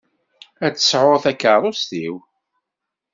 Ad tt-tesɛuḍ takeṛṛust-iw.